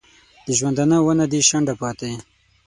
د ژوندانه ونه دي شنډه پاته